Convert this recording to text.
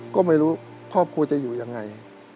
ก็ไม่รู้ครอบครัวจะอยู่ยังไง